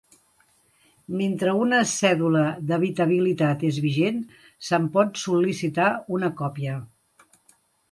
Mentre una cèdula d'habitabilitat és vigent se'n pot sol·licitar una còpia.